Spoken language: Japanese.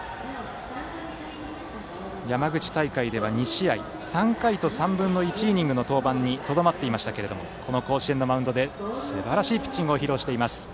山口大会では２試合３回と３分の１イニングの登板にとどまっていましたけれどもこの甲子園のマウンドですばらしいピッチングを披露しています。